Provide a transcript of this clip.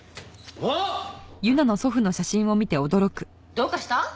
どうかした？